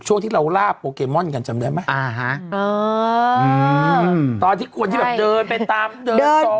ช่วงที่เราลาบโปเกมอนกันจำได้ไหมอ่าฮะเอออืมตอนที่คนที่แบบเดินไปตามเดินจอ